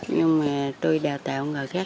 nhưng mà tôi đào tạo người khác